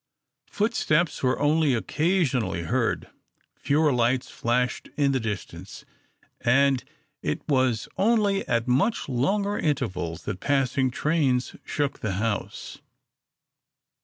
Footsteps were only occasionally heard, fewer lights flashed in the distance, and it was only at much longer intervals that passing trains shook the house.